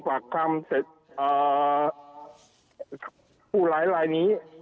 ป่าน